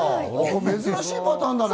珍しいパターンだね。